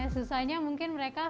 susahnya mungkin mereka